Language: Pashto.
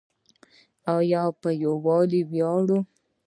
آیا په یوالي ویاړو؟